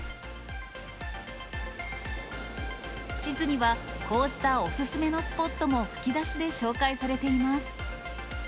地図には、こうしたお勧めのスポットも吹き出しで紹介されています。